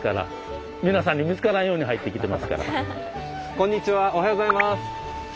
こんにちはおはようございます！